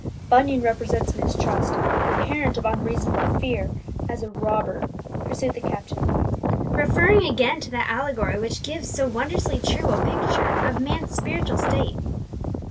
"Bunyan represents Mistrust, the parent of unreasonable fear, as a robber," pursued the captain, referring again to that allegory which gives so wondrously true a picture of man's spiritual state.